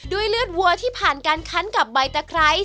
ด้วยเลือดวัวที่ผ่านกันคั้นกับใบเตยน้ำซุป